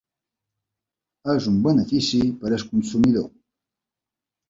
És un benefici per al consumidor.